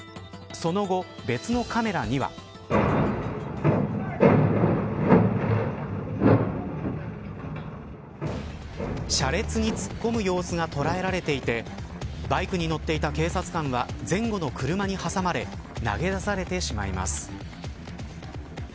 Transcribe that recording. その後、別のカメラには。車列に突っ込む様子が捉えられていてバイクに乗っていた警察官は前後の車に挟まれ投げ出されてしまいます。